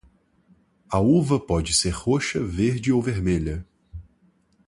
A uva pode ser roxa, verde ou vermelha.